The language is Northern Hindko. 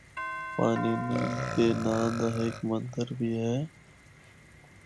پانینی دے ناں دا ہک مندر بھی ہے۔